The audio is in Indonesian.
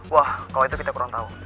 wah kalau itu kita kurang tahu